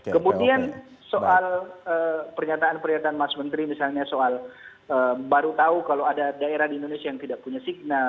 kemudian soal pernyataan pernyataan mas menteri misalnya soal baru tahu kalau ada daerah di indonesia yang tidak punya signal